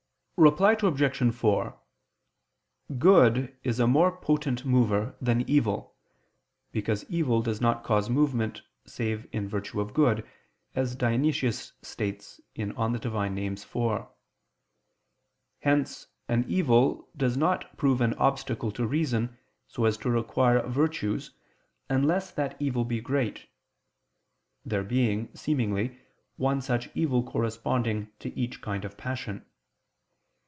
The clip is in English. Reply Obj. 4: Good is a more potent mover than evil: because evil does not cause movement save in virtue of good, as Dionysius states (Div. Nom. iv). Hence an evil does not prove an obstacle to reason, so as to require virtues unless that evil be great; there being, seemingly, one such evil corresponding to each kind of passion.